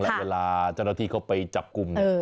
แล้วเวลาเจ้าหน้าที่เขาไปจับกลุ่มเนี่ย